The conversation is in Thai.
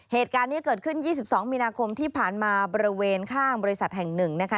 เหตุการณ์นี้เกิดขึ้น๒๒มีนาคมที่ผ่านมาบริเวณข้างบริษัทแห่งหนึ่งนะคะ